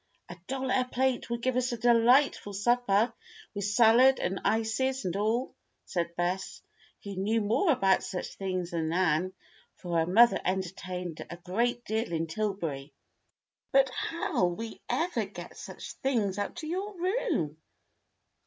"A dollar a plate will give us a delightful supper, with salad, and ices, and all," said Bess, who knew more about such things than Nan, for her mother entertained a great deal in Tillbury. "But how'll we ever get such things up to our room?"